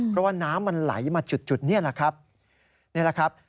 เพราะว่าน้ำมันไหลมาจุดนี่แหละครับ